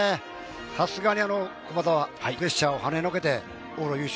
さすがに駒澤、プレッシャーを跳ねのけて往路優勝。